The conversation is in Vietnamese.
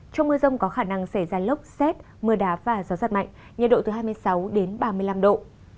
trong mưa rông có khả năng xảy ra lốc xét mưa đá và gió giật mạnh nhiệt độ từ hai mươi sáu đến ba mươi năm độ